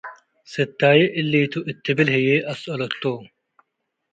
“ስታ'ዬ እሊ' ቱ” እት ትብል ሀዬ አሰ'አለቶ።